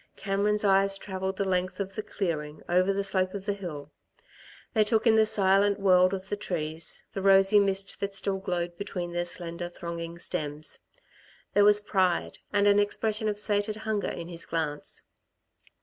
Cameron's eyes travelled the length of the clearing, over the slope of the hill. They took in the silent world of the trees, the rosy mist that still glowed between their slender, thronging stems. There was pride and an expression of sated hunger in his glance.